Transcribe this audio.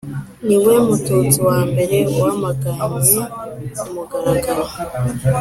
ni we mututsi wa mbere wamaganye ku mugaragaro